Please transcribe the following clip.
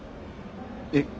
えっ。